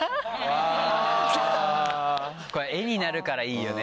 絵になるからいいよね。